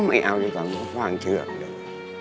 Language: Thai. ไม่เอาจากตอไปไปว่างเชื่อกเลย